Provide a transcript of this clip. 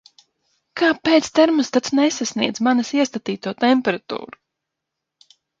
Kāpēc termostats nesasniedz manis iestatīto temperatūru?